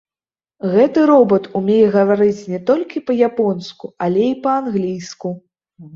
Гэты робат умее гаварыць не толькі па-японску, але і па-англійску.